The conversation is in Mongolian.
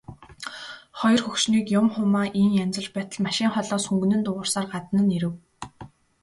Хоёр хөгшнийг юм хумаа ийн янзалж байтал машин холоос хүнгэнэн дуугарсаар гадна нь ирэв.